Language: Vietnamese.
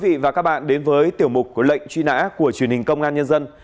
xin chào các bạn đến với tiểu mục của lệnh truy nã của truyền hình công an nhân dân